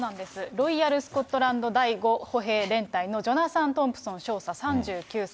ロイヤルスコットランド第５歩兵連隊のジョナサン・トンプソン少佐３９歳。